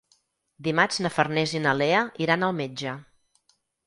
Dimarts na Farners i na Lea iran al metge.